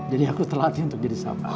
jadi aku terlatih untuk jadi sama